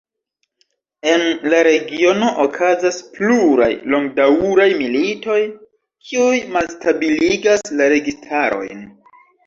En la regiono okazas pluraj longdaŭraj militoj, kiuj malstabiligas la registarojn.